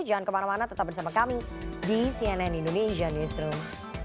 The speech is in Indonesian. jangan kemana mana tetap bersama kami di cnn indonesia newsroom